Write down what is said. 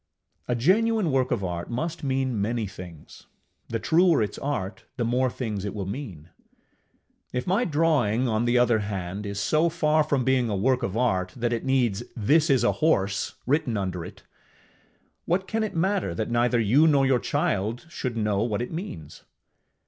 A genuine work of art must mean many things; the truer its art, the more things it will mean. If my drawing, on the other hand, is so far from being a work of art that it needs THIS IS A HORSE written under it, what can it matter that neither you nor your child should know what it means?